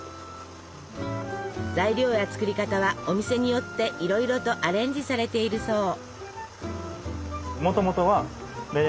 材料や作り方はお店によっていろいろとアレンジされているそう。